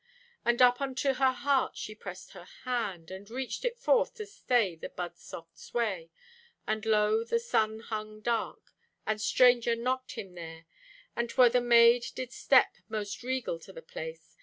And up unto her heart she pressed her hand, And reached it forth to stay the bud's soft sway, And lo, the sun hung dark, And Stranger knocked Him there. And 'twere the maid did step most regal to the place.